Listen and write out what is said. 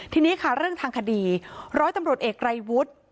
ทีนี้ค่ะเรื่องทางคดีร้อยตำรวจเอกไรวุฒิ